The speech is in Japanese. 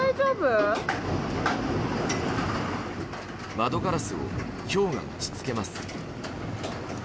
窓ガラスをひょうが打ち付けます。